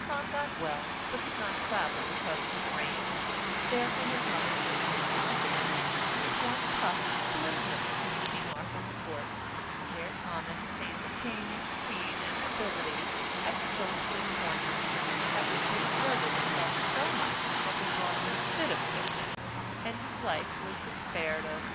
Tom got well, but could not travel because it had rained; therefore his mother took him in her hand, and with one puff blew him into King Arthur's court; where Tom entertained the king, queen, and nobility at tilts and tournaments, at which he exerted himself so much that he brought on a fit of sickness, and his life was despaired of.